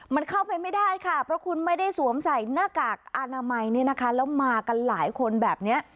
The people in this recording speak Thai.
มันเข้าไปไม่ได้ค่ะเพราะคุณไม่ได้สวมใส่หน้ากากอนามัยเนี่ยนะคะแล้วมากันหลายคนแบบนี้